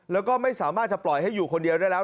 แล้วก็ไม่สามารถจะปล่อยให้อยู่คนเดียวได้แล้ว